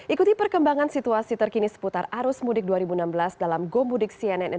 ikuti perkembangan situasi terkini seputar arus mudik dua ribu enam belas dalam gomudik cnn indonesia